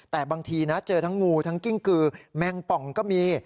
แต่บางทีนะเจอทั้งงูทั้งกิ้งกือแมงป่องก็มี